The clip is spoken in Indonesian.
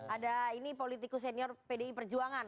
ada ini politikus senior pdi perjuangan